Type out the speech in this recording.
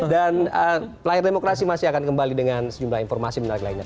dan pelayan demokrasi masih akan kembali dengan sejumlah informasi benda lainnya